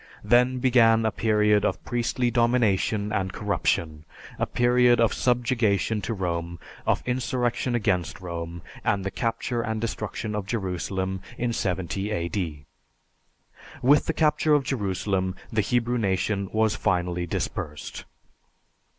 Then began a period of priestly domination and corruption, a period of subjugation to Rome, of insurrection against Rome, and the capture and destruction of Jerusalem in 70 A.D. With the capture of Jerusalem, the Hebrew nation was finally dispersed.